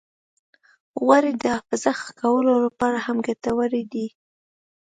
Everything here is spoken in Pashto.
غوړې د حافظې ښه کولو لپاره هم ګټورې دي.